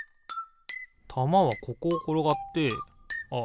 たまはここをころがってあっ